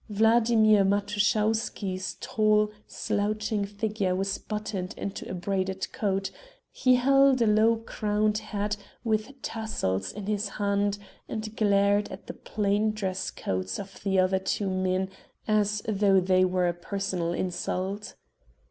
Vladimir Matuschowsky's tall, slouching figure was buttoned into a braided coat; he held a low crowned hat with tassels in his hand, and glared at the plain dress coats of the other two men as though they were a personal insult.